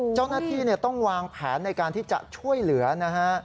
เจ้าหน้าที่ต้องวางแผนในการที่จะช่วยเหลือนะฮะ